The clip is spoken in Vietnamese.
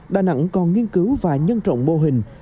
đà nẵng còn nghiên cứu và nhân rộng mô hình